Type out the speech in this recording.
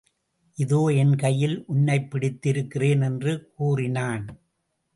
இதோ என் கையில் உன்னைப் பிடித்து இருக்கிறேன் என்று கூறினான்.